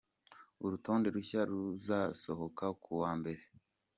Urutonde rushya ruzasohoka ku wa mbere.